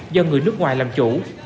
do người nước ngoài làm chủ